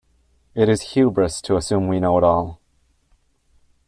It is hubris to assume we know it all.